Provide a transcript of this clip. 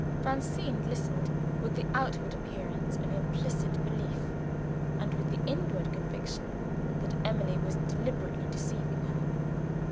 Francine listened with the outward appearance of implicit belief, and with the inward conviction that Emily was deliberately deceiving her.